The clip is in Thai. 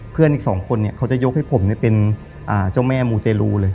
เพื่อนอีก๒คนเนี่ยเขาจะยกให้ผมเป็นเจ้าแม่มูเจลูเลย